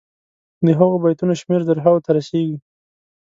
د هغو بیتونو شمېر زرهاوو ته رسيږي.